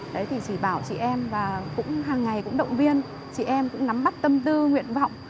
đấy thì chỉ bảo chị em và cũng hàng ngày cũng động viên chị em cũng nắm bắt tâm tư nguyện vọng